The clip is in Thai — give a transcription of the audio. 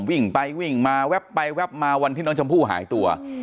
วิ่งไปวิ่งมาแวบไปแวบมาวันที่น้องชมพู่หายตัว